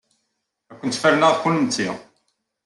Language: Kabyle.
Ad kent-ferneɣ kennemti!